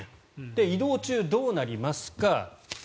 移動中どうなりますか。